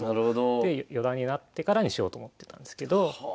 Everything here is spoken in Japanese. で四段になってからにしようと思ってたんですけど。